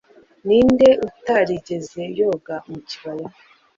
ninde utarigeze yoga mu kibaya